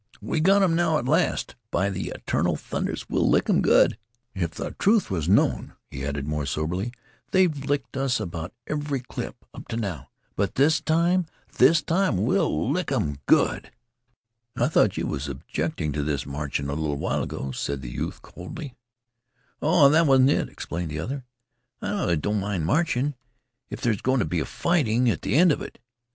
"We've got 'em now. At last, by the eternal thunders, we'll lick 'em good!" "If the truth was known," he added, more soberly, "THEY'VE licked US about every clip up to now; but this time this time we'll lick 'em good!" "I thought you was objecting to this march a little while ago," said the youth coldly. "Oh, it wasn't that," explained the other. "I don't mind marching, if there's going to be fighting at the end of it.